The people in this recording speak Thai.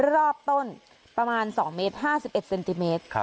รอบต้นประมาณ๒เมตร๕๑เซนติเมตร